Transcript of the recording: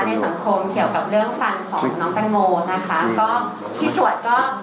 ในสังคมเกี่ยวกับเรื่องฟันของน้องแตงโมนะคะก็พี่ตรวจก็